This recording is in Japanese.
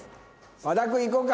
和田君いこうか。